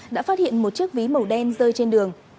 đã phát hiện một chiếc ví màu đen rơi trên đường